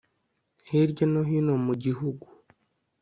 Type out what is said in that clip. hirya no hino mugihugu